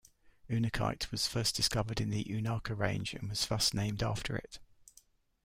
Unakite was first discovered in the Unaka Range, and was thus named after it.